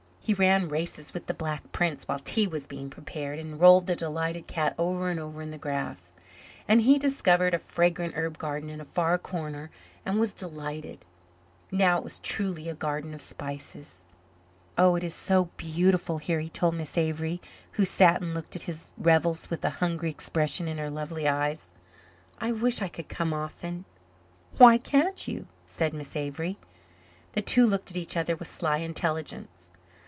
He ran races with Black Prince while tea was being prepared, and rolled the delighted cat over and over in the grass. And he discovered a fragrant herb garden in a far corner and was delighted. Now it was truly a garden of spices. "Oh, it is so beautiful here," he told Miss Avery, who sat and looked at his revels with a hungry expression in her lovely eyes. "I wish I could come often." "Why can't you?" said Miss Avery. The two looked at each other with sly intelligence.